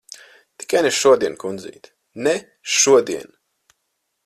Tikai ne šodien, kundzīt. Ne šodien!